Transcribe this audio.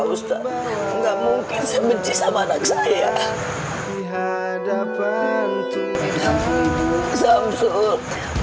ustaz nggak mungkin saya benci sama anak saya hadapan tuhan sampai jumpa di